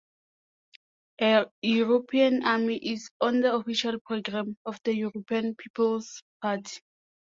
A European army is on the official programme of the European People’s Party.